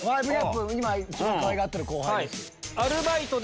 今一番かわいがってる後輩です。